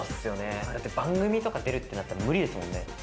番組とか出るってなったら無理ですもんね。